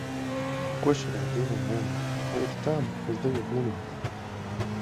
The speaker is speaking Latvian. Ko šajā dienā ēdu. Lieta tāda, es dejot nemāku.